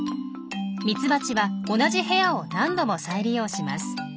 ミツバチは同じ部屋を何度も再利用します。